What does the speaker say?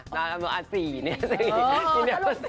อ๋อ๔เนี่ย๔